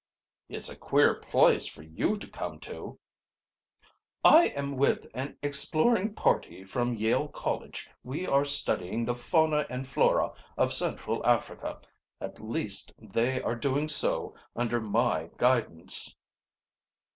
"It's a queer place for you to come to." "I am with an exploring party from Yale College. We are studying the fauna and flora of central Africa at least, they are doing so under my guidance."